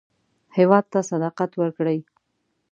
هېواد ته صداقت ورکړئ